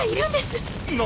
何！？